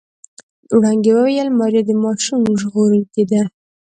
وړانګې وويل ماريا د ماشوم ژغورونکې ده.